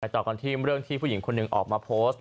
ต่อกันที่เรื่องที่ผู้หญิงคนหนึ่งออกมาโพสต์